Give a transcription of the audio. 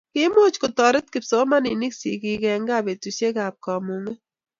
kiimuch kotoret kipsomaninik sigik eng' gaa betusiekab kamung'et